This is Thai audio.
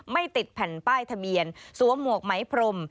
ไม่ติดแผ่นป้ายทะเบียนสวมหมวกไหมพรม